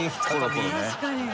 確かに。